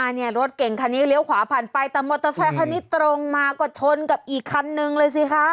เนี่ยรถเก่งคันนี้เลี้ยวขวาผ่านไปแต่มอเตอร์ไซคันนี้ตรงมาก็ชนกับอีกคันนึงเลยสิคะ